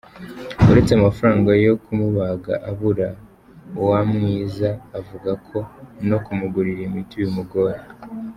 Uretse amafaranga yo kumubaga abura, Uwamwiza avuga ko no kumugurira imiti bimugora.